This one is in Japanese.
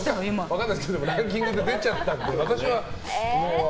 分かんないですけどランキングで出ちゃった。